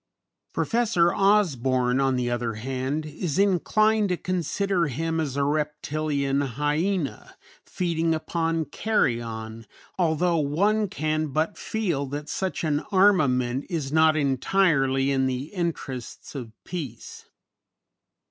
Professor Osborn, on the other hand, is inclined to consider him as a reptilian hyena, feeding upon carrion, although one can but feel that such an armament is not entirely in the interests of peace.